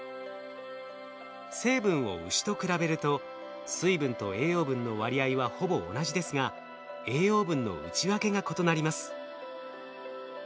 成分をウシと比べると水分と栄養分の割合はほぼ同じですが栄養分の内訳が異なります。